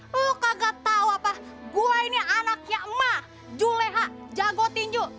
lu kagak tau apa gua ini anaknya emak juleha jago tinju